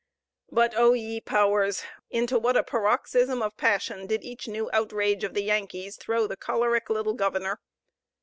But oh, ye powers! into what a paroxysm of passion did each new outrage of the Yankees throw the choleric little governor!